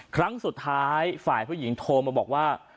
ครั้งสุดท้ายฝ่ายผู้หญิงโทรมาบอกว่า